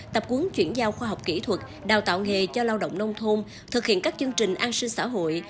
tập cuốn chuyển giao khoa học kỹ thuật đào tạo nghề cho lao động nông thôn thực hiện các chương trình an sinh xã hội